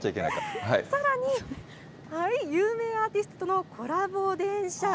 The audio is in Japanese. さらに、有名アーティストのコラボ電車。